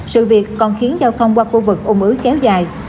sự việc còn khiến giao thông qua khu vực ôn ứ kéo dài